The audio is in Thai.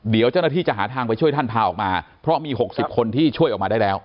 เดี๋ยวเจ้าหน้าที่จะหาทางไปช่วยท่านพาออกมาเพราะมี๖๐คนที่ช่วยออกมาได้แล้ว